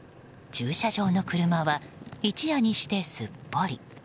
駐車場の車は一夜にしてすっぽり。